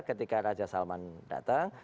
ketika raja salman datang